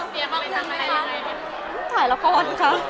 พี่ยังไงคะ